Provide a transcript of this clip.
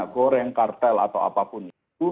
goreng kartel atau apapun itu